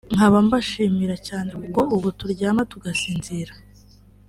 nkaba mbashimira cyane kuko ubu turyama tugasinzira”